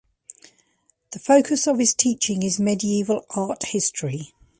The focus of his teaching is medieval art history.